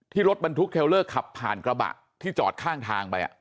รถบรรทุกเทลเลอร์ขับผ่านกระบะที่จอดข้างทางไป